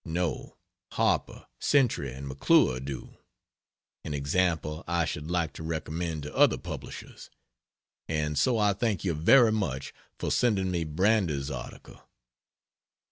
No Harper, Century and McClure do; an example I should like to recommend to other publishers. And so I thank you very much for sending me Brander's article.